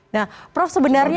nah prof sebenarnya